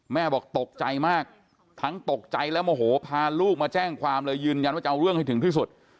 บอกตกใจมากทั้งตกใจและโมโหพาลูกมาแจ้งความเลยยืนยันว่าจะเอาเรื่องให้ถึงที่สุด